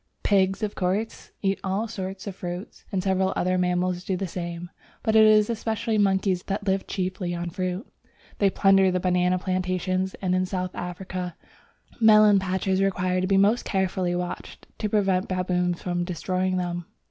Pigs, of course, eat all sorts of fruit, and several other mammals do the same, but it is especially monkeys that live chiefly on fruit. They plunder the banana plantations, and in South Africa melon patches require to be most carefully watched to prevent baboons from destroying them.